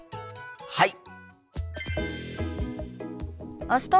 はい！